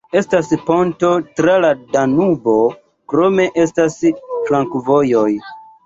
Estas ponto tra la Danubo, krome estas flankovojoj.